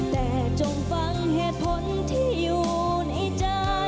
แต่จงฟังเหตุผลที่อยู่ในใจ